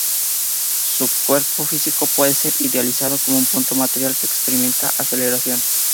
Un cuerpo físico puede ser idealizado como un punto material que experimenta aceleración.